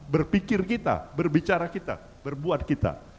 berpikir kita berbicara kita berbuat kita